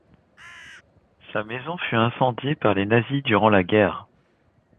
Sa maison fut incendiée par les nazis durant la guerre.